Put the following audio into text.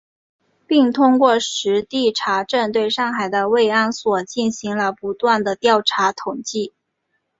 并通过实地查证，对上海的慰安所进行了不断地调查统计